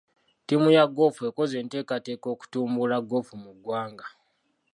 Ttiimu ya goofu ekoze enteekateeka okutumbula goofu mu ggwanga.